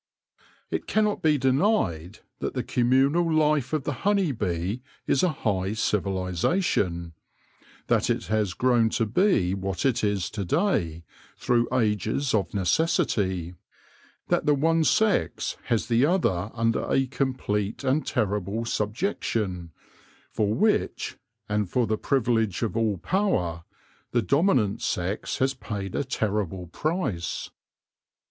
It cannot be denied that the communal life of the honey bee is a high civilisation ; that it has grown to be what it is to day through ages of necessity ; that the one sex has the other under a complete and terrible subjection, for which, and for the privilege of all power, the dominant sex has paid a terrible price.